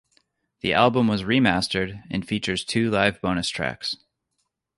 The album was remastered and features two live bonus tracks.